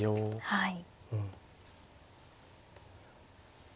はい。